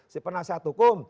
si penasihat hukum